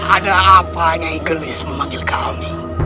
ada apa yang ingin iglis memanggil kau ini